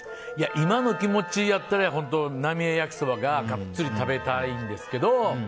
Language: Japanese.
今の気持ちやったらなみえ焼そばがガッツリ食べたいんですけど。